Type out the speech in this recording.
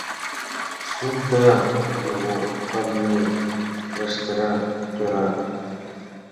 — Сюда его, ко мне! — лыштыра тӧра.